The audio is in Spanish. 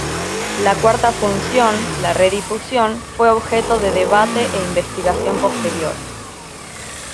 La cuarta función, la redifusión, fue objeto de debate e investigación posterior.